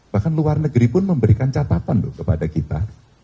bahkan luar negeri pun memberikan catatan loh kepada kita